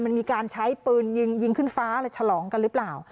มันมีการใช้ปืนยิงขึ้นฟ้าเลยฉลองกันหรือเปล่า